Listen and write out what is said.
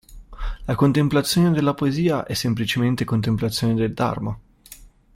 La contemplazione della poesia è semplicemente contemplazione del Dharma.